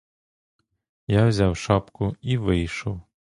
Я взяв шапку і вийшов.